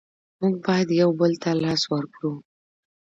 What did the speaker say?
موږ باید یو بل ته لاس ورکړو.